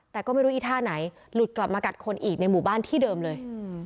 แต่ก็ไม่รู้อีท่าไหนหลุดกลับมากัดคนอีกในหมู่บ้านที่เดิมเลย